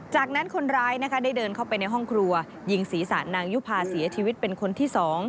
จากนั้นคนร้ายได้เดินเข้าไปในห้องครัวยิงศีรษะนางยุภาเสียชีวิตเป็นคนที่๒